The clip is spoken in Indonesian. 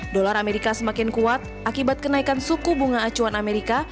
dolar amerika semakin kuat akibat kenaikan suku bunga acuan amerika